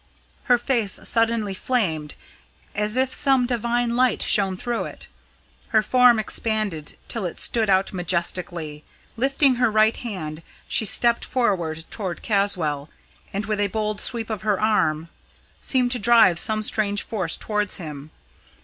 Her face suddenly flamed, as if some divine light shone through it. Her form expanded till it stood out majestically. Lifting her right hand, she stepped forward towards Caswall, and with a bold sweep of her arm seemed to drive some strange force towards him.